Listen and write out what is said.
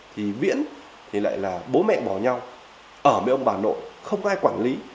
thì viễn thì lại là bố mẹ bỏ nhau ở với ông bà nội không ai quản lý